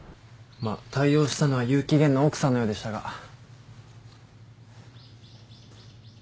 まあ対応したのは結城玄の奥さんのようでしたが。